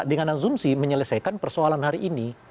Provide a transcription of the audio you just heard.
dengan asumsi menyelesaikan persoalan hari ini